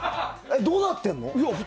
どうなってんの？